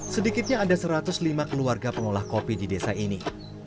sedikitnya ada satu ratus lima keluarga pengolah kopi di desa ini